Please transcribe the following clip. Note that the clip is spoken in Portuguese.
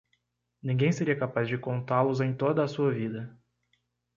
Ninguém seria capaz de contá-los em toda a sua vida.